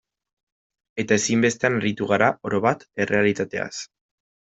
Eta ezinbestean aritu gara, orobat, errealitateaz.